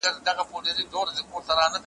نن به څه خورې سړه ورځ پر تېرېدو ده `